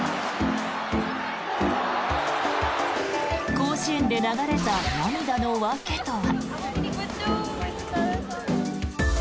甲子園で流れた涙の訳とは。